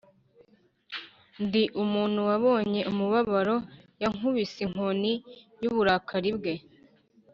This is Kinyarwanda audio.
Ndi umuntu wabonye umubabaro, Yankubise inkoni y’uburakari bwe.